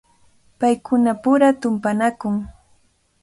Paykunapura tumpanakun.